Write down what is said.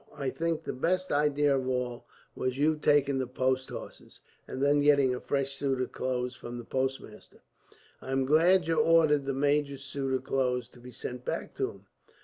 I think the best idea of all was your taking the post horses, and then getting a fresh suit of clothes from the postmaster. "I am glad you ordered the major's suit of clothes to be sent back to him.